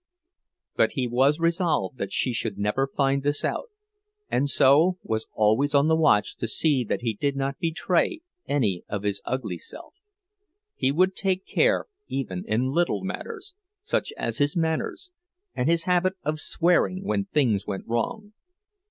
But he was resolved that she should never find this out, and so was always on the watch to see that he did not betray any of his ugly self; he would take care even in little matters, such as his manners, and his habit of swearing when things went wrong.